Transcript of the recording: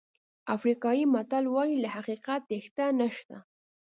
افریقایي متل وایي له حقیقت تېښته نشته.